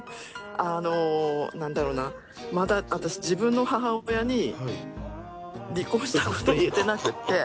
あの何だろうなまだ私自分の母親に離婚したこと言えてなくって。